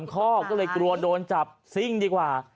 ข้อก็เลยกลัวโดนจับซิ่งดีกว่า